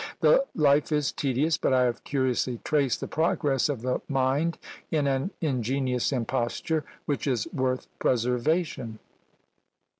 The life is tedious; but I have curiously traced the progress of the mind in an ingenious imposture, which is worth preservation.